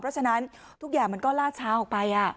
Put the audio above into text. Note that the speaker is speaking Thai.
เพราะฉะนั้นทุกอย่างมันก็ลาดช้าออกไป